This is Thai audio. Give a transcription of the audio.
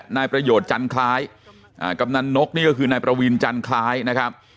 นายประโยชน์จันคล้ายกำนันนกนี่ก็คือนายประวินจันคล้ายนะครับ